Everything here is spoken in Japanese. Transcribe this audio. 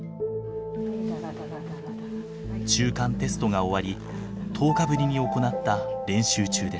中間テストが終わり１０日ぶりに行った練習中でした。